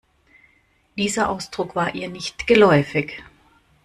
Dieser Ausdruck war ihr nicht geläufig.